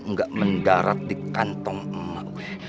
enggak mendarat di kantong emak gue